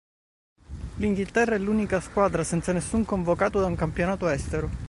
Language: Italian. L'Inghilterra è l'unica squadra senza nessun convocato da un campionato estero.